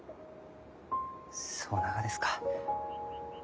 そうながですか。